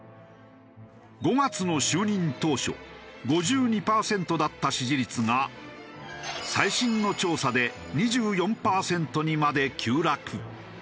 ５月の就任当初５２パーセントだった支持率が最新の調査で２４パーセントにまで急落。